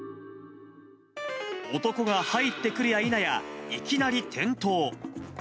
男が入ってくるやいなや、いきなり転倒。